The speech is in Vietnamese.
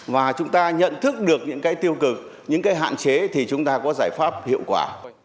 và chúng ta nhận thức được những cái tiêu cực những cái hạn chế thì chúng ta có giải pháp hiệu quả